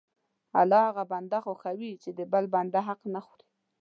الله هغه بنده خوښوي چې د بل بنده حق نه خوري.